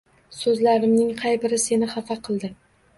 So‘zlarimning qay biri seni xafa qildi?